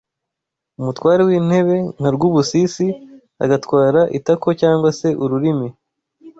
umutware w’intebe nka Rwubusisi agatwara itako cyangwa se ururimi